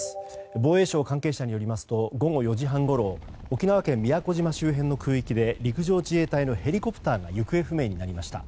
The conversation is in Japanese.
防衛省関係者によりますと午後４時半ごろ沖縄県宮古島周辺の空域で陸上自衛隊のヘリコプターが行方不明になりました。